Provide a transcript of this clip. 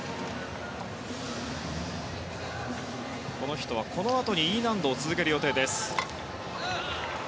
この人はこのあとにＥ難度を続ける予定です。